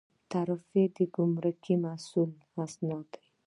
تعرفه د ګمرکي محصول سند دی